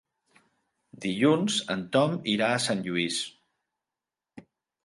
Dilluns en Tom irà a Sant Lluís.